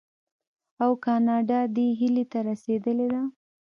او کاناډا دې هیلې ته رسیدلې ده.